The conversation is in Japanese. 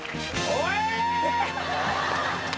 おい！